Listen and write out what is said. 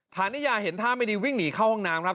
ฐานิยาเห็นท่าไม่ดีวิ่งหนีเข้าห้องน้ำครับ